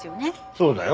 そうだよ。